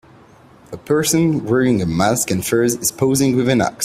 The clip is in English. A person wearing a mask and furs is posing with an axe.